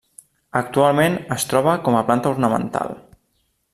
Actualment es troba com a planta ornamental.